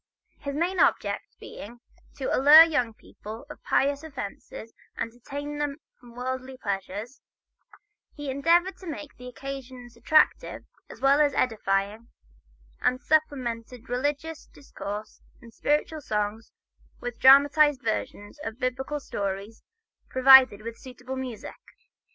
His main object being "to allure young people to pious offices and to detain them from worldly pleasure," he endeavored to make the occasions attractive as well as edifying, and supplemented religious discourse and spiritual songs with dramatized versions of Biblical stories provided with suitable music.